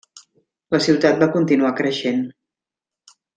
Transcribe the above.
La ciutat va continuar creixent.